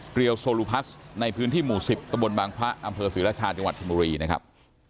เกลียวโซลุพัสในพื้นที่หมู่๑๐ตบบพศศิรชาจถุงบุรีนะครับ